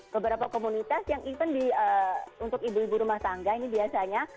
beberapa komunitas yang even untuk ibu ibu rumah tangga ini biasanya